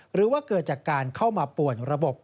หรือว่าเกิดจากการเข้ามาป่วนระบบ